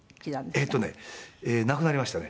えっとね亡くなりましたね。